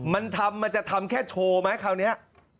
มันทำมันจะทำแค่โชว์ไหมคราวนี้